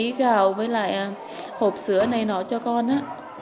một ký gạo với lại hộp sữa này nó cho con á